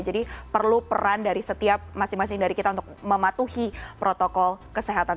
jadi perlu peran dari setiap masing masing dari kita untuk mematuhi protokol kesehatan